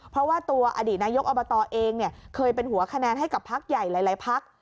เพราะว่าตัวอดีตนายกอบตเองเคยเป็นหัวคะแนนให้กับพักใหญ่หลายพัก